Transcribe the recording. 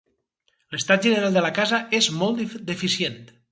L'estat general de la casa és molt deficient.